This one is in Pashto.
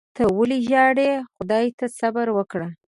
ته ولي ژاړې . خدای ته صبر وکړه